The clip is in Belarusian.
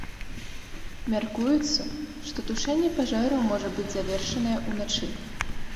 Мяркуецца, што тушэнне пажару можа быць завершанае ўначы.